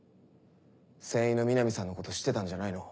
船員の南さんのこと知ってたんじゃないの？